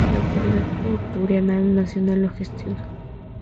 La Autoridad Portuaria Nacional lo gestiona.